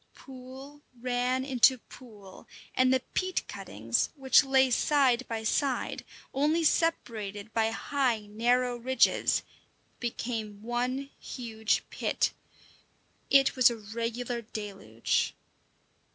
Pool ran into pool, and the peat cuttings, which lay side by side, only separated by high, narrow ridges, became one huge pit. It was a regular deluge.